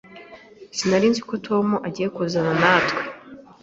Sinari nzi ko Tom agiye kuzana natwe.